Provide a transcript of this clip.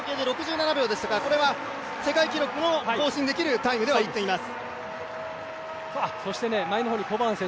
今１周だけでいうと手元の時計で６７秒ですからこれは世界記録を更新できるタイムではいっています。